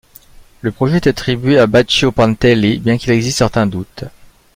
Le projet est attribué à Baccio Pontelli, bien qu'il existe certains doutes.